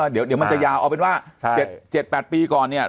เดี๋ยวมันจะยาวเอาเป็นว่า๗๘ปีก่อนเนี่ย